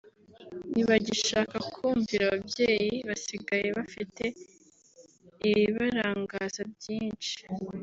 ntibagishaka kumvira ababyeyi basigaye bafite ibibarangaza byinshi